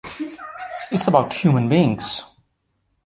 It's about human beings.